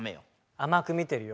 甘く見てるよ。